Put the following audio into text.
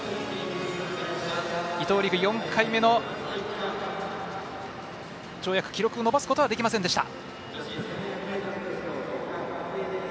伊藤陸、４回目の跳躍記録を伸ばすことはできませんでした。